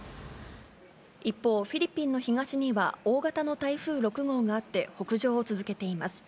一方、フィリピンの東には大型の台風６号があって、北上を続けています。